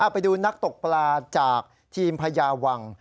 ไปดูนักตกปลาจากทีมพญาวัง